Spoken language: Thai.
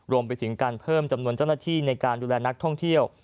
รวมไปถึงการเพิ่มจำนวนเจ้าหน้าที่ในการดูแลนักท่องเที่ยว